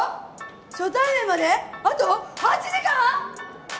初対面まであと８時間！？